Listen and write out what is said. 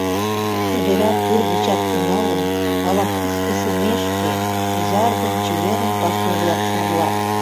...Чодыра тӱр гычак тӱҥалын, ала-кушко шумешке, ужаргын-чеверын пасу-влак шарлат.